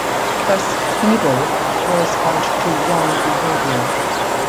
Thus "evil" would correspond to wrong behavior.